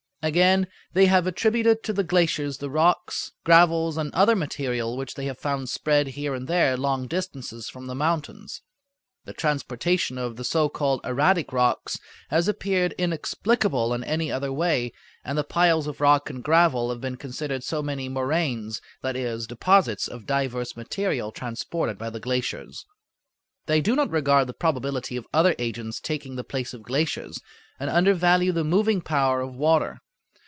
Again, they have attributed to the glaciers the rocks, gravels, and other material which they have found spread here and there long distances from the mountains. The transportation of the so called erratic rocks has appeared inexplicable in any other way, and the piles of rock and gravel have been considered so many moraines, that is, deposits of diverse material transported by the glaciers. They do not regard the probability of other agents taking the place of glaciers, and undervalue the moving power of water.